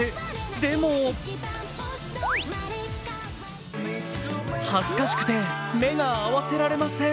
でも恥ずかしくて目が合わせられません。